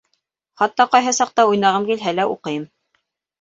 Хатта ҡайһы саҡта уйнағым килһә лә уҡыйым.